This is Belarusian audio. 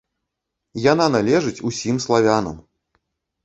Яна належыць усім славянам!